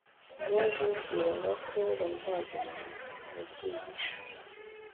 bo bibwiraga ko bazaguma mu bwihisho